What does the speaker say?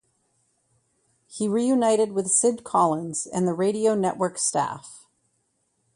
He reunited with Sid Collins and the Radio Network staff.